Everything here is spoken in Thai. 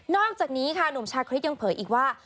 อกจากนี้ค่ะหนุ่มชาคริสยังเผยอีกว่า